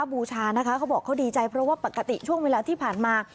บูชานะคะเขาบอกเขาดีใจเพราะว่าปกติช่วงเวลาที่ผ่านมา